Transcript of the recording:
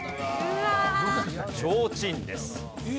「ちょうちん」です。